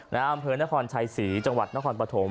อำเภอนครชัยศรีจังหวัดนครปฐม